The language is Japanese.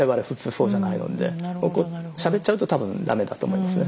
そうじゃないのでしゃべっちゃうとたぶんダメだと思いますね。